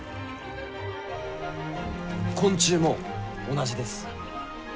昆虫も同じです。